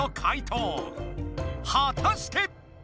はたして！